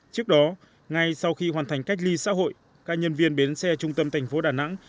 trước đó ngay sau khi hoàn thành cách ly xã hội các nhân viên bến xe trung tâm thành phố đà nẵng